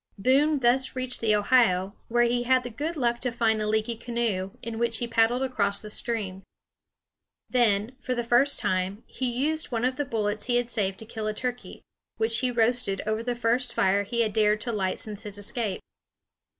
Boone thus reached the Ohio, where he had the good luck to find a leaky canoe, in which he paddled across the stream. Then, for the first time, he used one of the bullets he had saved to kill a turkey, which he roasted over the first fire he had dared to light since his escape.